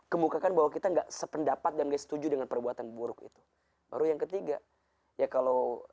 kemukakan bahwa kita enggak sependapat dan gak setuju dengan perbuatan buruk itu baru yang ketiga ya kalau